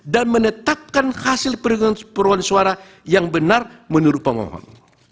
dan menetapkan hasil permohonan suara yang benar menurut pemohon